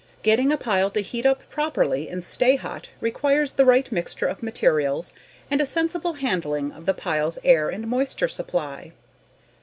Getting a pile to heat up promptly and stay hot requires the right mixture of materials and a sensible handling of the pile's air and moisture supply.